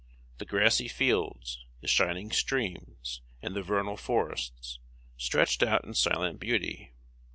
The grassy fields, the shining streams, and the vernal forests, stretched out in silent beauty.